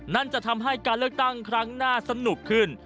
นั่นจะทำให้การเลือกตั้งครั้งหน้าสนุกขึ้น